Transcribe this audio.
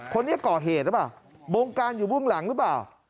คนนี้ก่อเหตุหรือเปล่าบงการอยู่เบื้องหลังหรือเปล่า